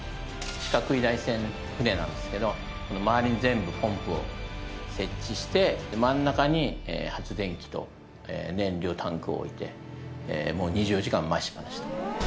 四角い台船船なんですけど周りに全部ポンプを設置して真ん中に発電機と燃料タンクを置いて２４時間回しっぱなしで。